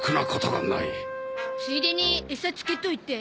ついでにエサつけといて。